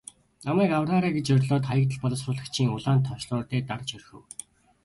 Намайг авраарай гэж орилоод Хаягдал боловсруулагчийн улаан товчлуур дээр дарж орхив.